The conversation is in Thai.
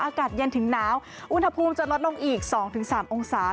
อากาศเย็นถึงหนาวอุณหภูมิจะลดลงอีก๒๓องศา